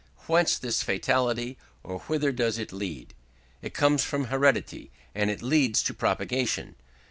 Whence this fatality, and whither does it lead? It comes from heredity, and it leads to propagation.